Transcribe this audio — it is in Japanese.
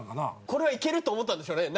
これはいけると思ったんでしょうね。